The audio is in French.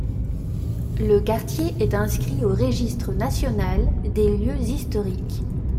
Le quartier est inscrit au Registre national des lieux historiques.